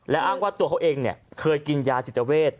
และอ้างว่าตัวเขาเองเนี่ยเคยกินยาจิตเจาเวช